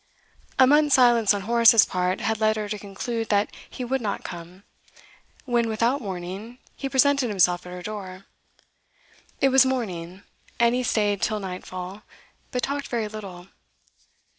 A month's silence on Horace's part had led her to conclude that he would not come, when, without warning, he presented himself at her door. It was morning, and he stayed till nightfall, but talked very little.